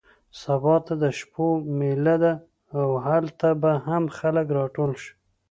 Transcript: سبا ته د شپولې مېله ده او هلته به هم خلک راټول شي.